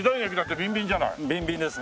ビンビンですね。